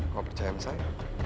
kau percaya sama saya